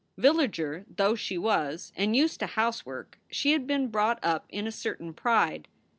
Villager though she was, and used to housework, she had been brought up in a certain pride.